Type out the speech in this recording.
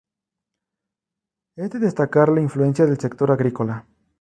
Es de destacar la influencia del sector agrícola.